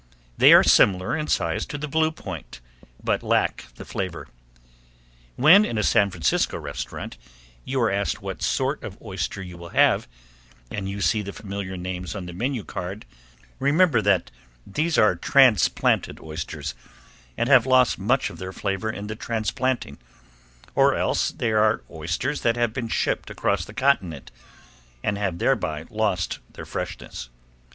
They are similar in size to the Blue Point, but lack the flavor. When, in a San Francisco restaurant, you are asked what sort of oyster you will have, and you see the familiar names on the menu card, remember that these are transplanted oysters, and have lost much of their flavor in the transplanting, or else they are oysters that have been shipped across the continent and have thereby lost their freshness.